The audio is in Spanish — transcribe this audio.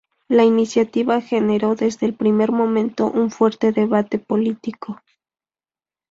La iniciativa generó desde el primer momento un fuerte debate político.